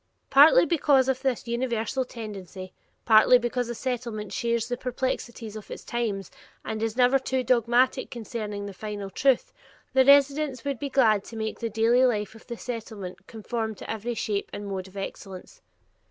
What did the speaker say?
Partly because of this universal tendency, partly because a Settlement shares the perplexities of its times and is never too dogmatic concerning the final truth, the residents would be glad to make the daily life at the Settlement "conform to every shape and mode of excellence."